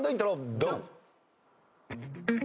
ドン！